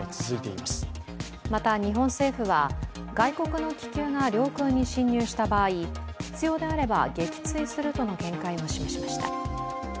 また、日本政府は外国の気球が領空に侵入した場合、必要であれば撃墜するとの見解を示しました。